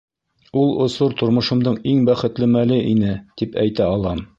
Ул осор тормошомдоң иң бәхетле мәле ине, тип әйтә алам.